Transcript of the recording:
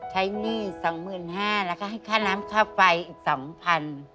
หนี้๒๕๐๐บาทแล้วก็ให้ค่าน้ำค่าไฟอีก๒๐๐บาท